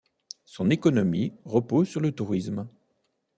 Son économie repose sur le tourisme.